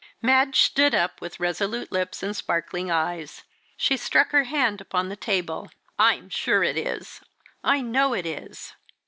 Madge stood up, with resolute lips, and sparkling eyes. She struck her hand upon the table. "I'm sure it is! I know it is!"